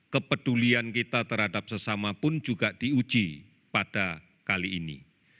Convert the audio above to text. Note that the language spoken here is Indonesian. kepedulian kita terhadap sesama pun juga diuji pada kali ini